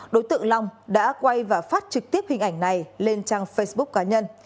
đối tượng long đã quay và phát trực tiếp hình ảnh này lên trang facebook cá nhân